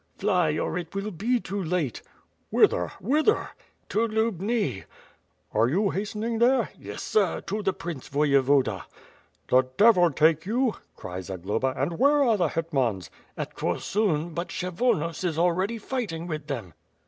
"Fly, or it will be too late.'' "Whither? Whither?" "To Lubni." "Are you hastening there?" "Y<^6, sir; to the Prince Voyevoda." "The devil take you!" cried Zagloba, "and where are the hetmans?" "At Korsun, buit Kshevonos is already fighting with them."